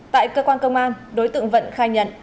tại cơ quan công an đối tượng vận khai nhận